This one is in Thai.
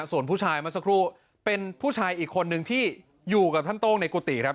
ส่วนผู้ชายเมื่อสักครู่เป็นผู้ชายอีกคนนึงที่อยู่กับท่านโต้งในกุฏิครับ